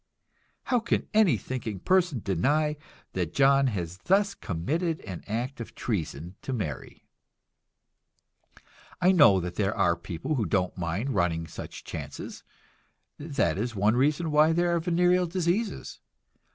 How can any thinking person deny that John has thus committed an act of treason to Mary? I know that there are people who don't mind running such chances; that is one reason why there are venereal diseases.